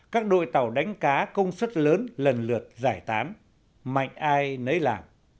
các đội tàu đánh cá công suất lớn lần lượt giải tán mạnh ai nấy làm